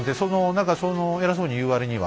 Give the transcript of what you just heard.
何かその偉そうに言う割には。